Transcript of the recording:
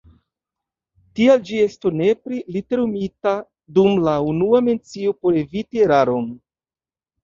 Tial ĝi estu nepre literumita dum la unua mencio por eviti eraron.